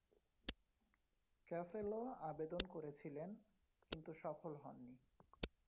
ক্যাসেলও আবেদন করেছিলেন, কিন্তু সফল হননি।